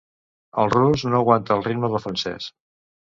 El rus no aguanta el ritme del francès.